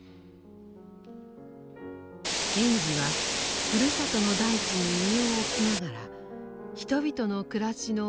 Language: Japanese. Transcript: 賢治はふるさとの大地に身を置きながら人々の暮らしの周り